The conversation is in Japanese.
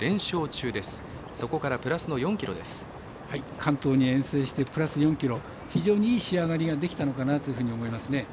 関東に遠征してプラス４ｋｇ、非常にいい仕上がりができたのかなというふうに思いますね。